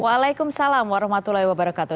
waalaikumsalam warahmatullahi wabarakatuh